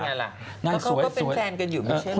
ยังไงล่ะน่าสวยสวยก็เขาก็เป็นแฟนกันอยู่ไม่ใช่เหรอ